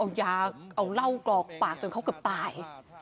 เอายาเอาเหล้ากรอกปากจนเขาเกือบตาย